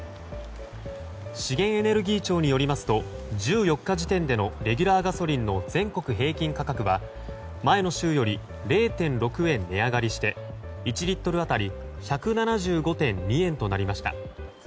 資源エネルギー庁によりますと１４日時点でのレギュラーガソリンの全国平均価格は前の週より０．６円値上がりして１リットル当たり１７５．２円となりました。